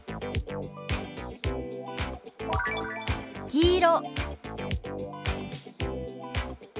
「黄色」。